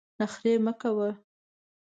نخرې مه کوه !